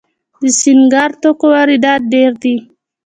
د سینګار توکو واردات ډیر دي